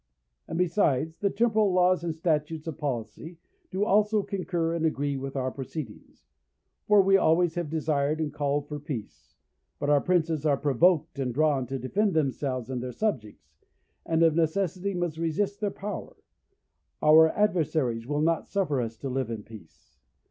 And, besides, the temporal laws and statutes of policy do also concur and agree with our proceedings; for we always have desired and called for peace, but our Princes are provoked and drawn to defend themselves and their subjects, and of necessity must resist their power; our adversaries will not suffer us to live in peace.